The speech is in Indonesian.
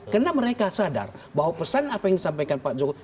karena mereka sadar bahwa pesan apa yang disampaikan pak jokowi